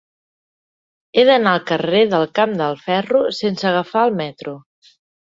He d'anar al carrer del Camp del Ferro sense agafar el metro.